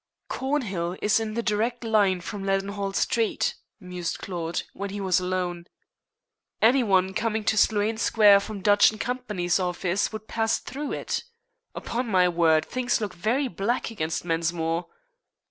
"Cornhill is the direct line from Leadenhall Street," mused Claude, when he was alone. "Any one coming to Sloane Square from Dodge & Co.'s office would pass through it. Upon my word, things look very black against Mensmore.